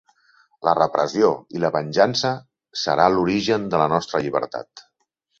La repressió i la venjança serà l'origen de la nostra llibertat.